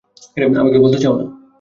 আমাকে বলতে চাওনা?